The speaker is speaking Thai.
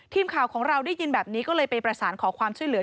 ทีมข่าวของเราได้ยินแบบนี้ก็เลยไปประสานขอความช่วยเหลือ